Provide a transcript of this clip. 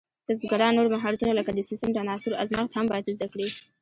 کسبګران نور مهارتونه لکه د سیسټم د عناصرو ازمېښت هم باید زده کړي.